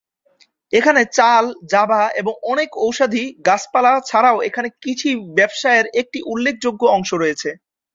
এখানে চাল, জাভা এবং অনেক ঔষধি গাছপালা ছাড়াও এখানে কৃষি ব্যবসায়ের একটি উল্লেখযোগ্য অংশ রয়েছে।